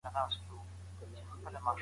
ناداني د ستونزي مور ده